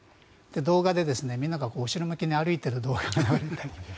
動画で、みんなが後ろ向きに歩いている動画がある。